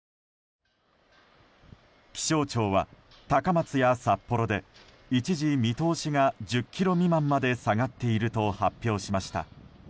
気象庁は高松や札幌で一時見通しが１０ｋｍ未満まで下がっていると発表しました。